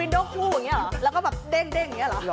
โด้คู่อย่างนี้หรอแล้วก็แบบเด้งอย่างนี้เหรอ